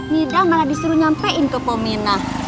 mida malah disuruh nyampein ke peminah